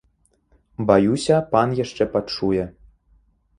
Баюся, пан яшчэ пачуе!